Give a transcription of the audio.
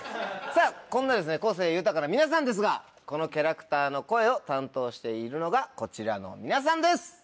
さぁこんな個性豊かな皆さんですがこのキャラクターの声を担当しているのがこちらの皆さんです！